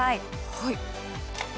はい。